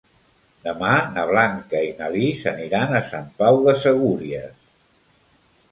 Demà na Blanca i na Lis aniran a Sant Pau de Segúries.